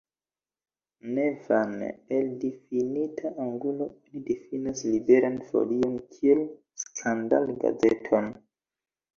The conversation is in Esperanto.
Ne vane, el difinita angulo oni difinas Liberan Folion kiel skandal-gazeton.